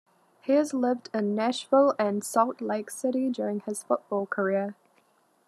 He has lived in Nashville and Salt Lake City during his football career.